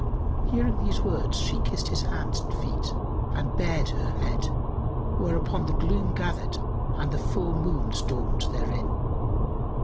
Hearing those words she kissed his hands and feet and bared her head,[FN#290] whereupon the gloom gathered and the full moons dawned therein.